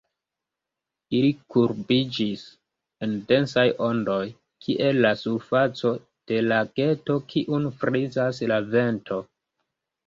Ili kurbiĝis en densaj ondoj, kiel la surfaco de lageto, kiun frizas la vento.